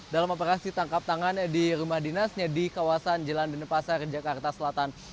dalam operasi tangkap tangan di rumah dinasnya di kawasan jalan denpasar jakarta selatan